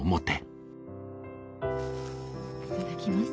いただきます。